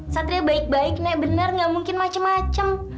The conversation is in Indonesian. satria baik baik nek benar nggak mungkin macem macem